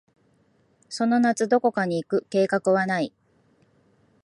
その夏、どこかに行く計画はない。